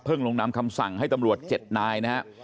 เพิ่งลงนำคำสั่งให้ตำรวจ๗นายนะฮะ